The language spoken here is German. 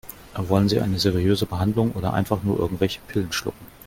Wollen Sie eine seriöse Behandlung oder einfach nur irgendwelche Pillen schlucken?